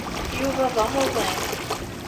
Yuba d amuḍin.